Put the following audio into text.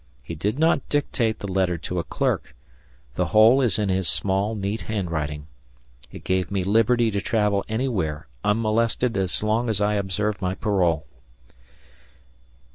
He did not dictate the letter to a clerk; the whole is in his small, neat hand writing. It gave me liberty to travel anywhere unmolested as long as I observed my parole.